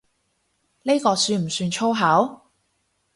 呢個算唔算粗口？